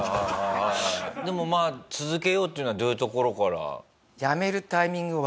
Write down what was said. でもまあ続けようっていうのはどういうところから？